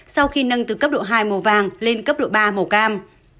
sau khi nâng từ cấp độ hai màu vàng lên cấp độ ba màu cam